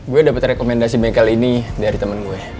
gue dapet rekomendasi bengkel ini dari temen gue